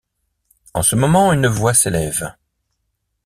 En ce moment, une voix s’élève.